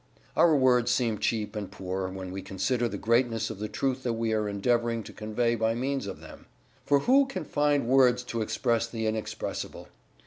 Our words seem cheap and poor, when we consider the greatness of the truth that we are endeavoring to convey by means of them. For who can find words to express the inexpressible?